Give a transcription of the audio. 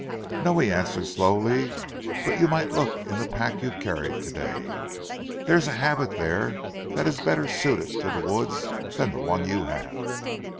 "No," he answered slowly, "but you might look in the pack you carried today. There's a habit there that is better suited to the woods than the one you have."